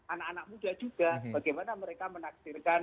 anak anak muda juga bagaimana mereka menaksirkan